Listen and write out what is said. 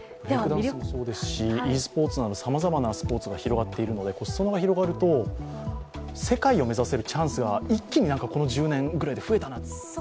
ｅスポーツなどさまざまなスポーツが広がっているので裾野が広がると、世界を目指せるチャンスが一気にこの１０年ぐらいで増えたなと。